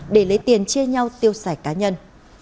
để lấy tiền chia nhau tiêu sải cá nhân